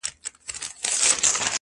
• سپیني سپوږمۍ حال راته وایه,